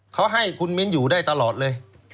เขาให้คุณมิ้นอยู่ได้ตลอดเลย